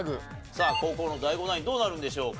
さあ後攻のＤＡＩＧＯナインどうなるんでしょうか？